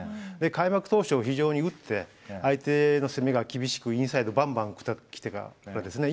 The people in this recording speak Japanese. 開幕当初非常に打って相手の攻めが厳しくインサイドバンバン来てからですね